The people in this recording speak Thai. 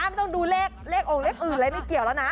ไม่ต้องดูเลขโอ่งเลขอื่นอะไรไม่เกี่ยวแล้วนะ